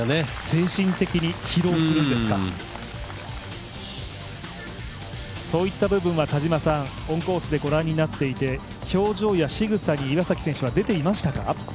精神的に、疲労するんですかそういった部分はオンコースでご覧になっていて、表情やしぐさに岩崎選手は出ていましたか？